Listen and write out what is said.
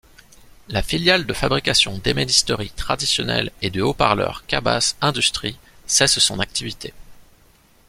La filiale de fabrication d’ébénisteries traditionnelles et de haut-parleurs Cabasse Industrie cesse son activité.